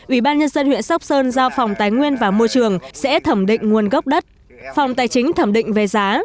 ubnd huyện sóc sơn giao phòng tái nguyên và môi trường sẽ thẩm định nguồn gốc đất phòng tài chính thẩm định về giá